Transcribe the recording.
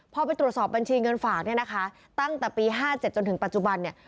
พอไปตรวจสอบบัญชีเงินฝากเนี่ยนะคะตั้งแต่ปี๕๗จนถึงปัจจุบันเนี่ย